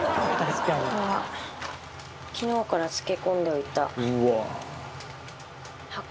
井上：これは昨日から漬け込んでおいた。